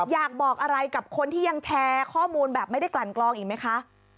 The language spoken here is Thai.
อยากบอกอะไรกับคนที่ยังแชร์ข้อมูลแบบไม่ได้กลั่นกลองอีกไหมคะ